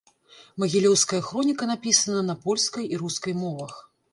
Магілёўская хроніка напісана на польскай і рускай мовах.